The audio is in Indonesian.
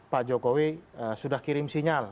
pak jokowi sudah kirim sinyal